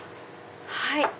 はい。